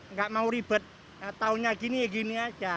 nggak mau ribet tahunnya gini gini aja